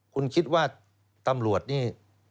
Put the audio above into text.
คุณคิดว่าตำรวจนี่